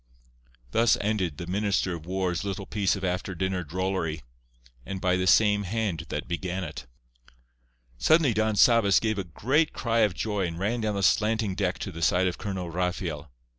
Thus ended the Minister of War's little piece of after dinner drollery, and by the same hand that began it. Suddenly Don Sabas gave a great cry of joy, and ran down the slanting deck to the side of Colonel Rafael.